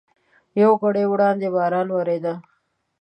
یوه ګړۍ وړاندې باران ودرېد.